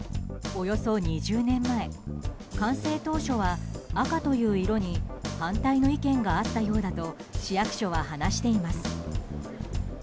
およそ２０年前完成当初は赤という色に反対の意見があったようだと市役所は話しています。